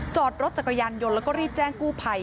จอดรถจักรยันต์โยนแล้วก็รีบแจ้งกู้ไพ